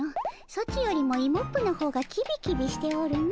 ソチよりもイモップの方がキビキビしておるの。